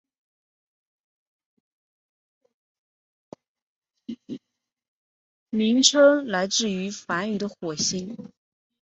名称来自于梵语的火星。